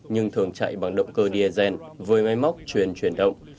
nhưng thường chạy bằng động cơ diesel với máy móc chuyển chuyển động